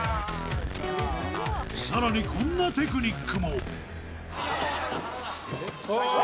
更に、こんなテクニックも。